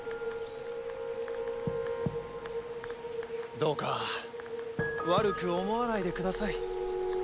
どうか悪く思わないでください。